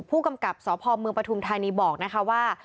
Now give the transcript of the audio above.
ผู้กำกับสพเมืองปฐุมธานีบอกนะคะว่า